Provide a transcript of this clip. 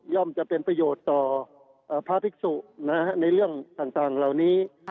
จะเป็นประโยชน์ต่อพระภิกษุในเรื่องต่างเหล่านี้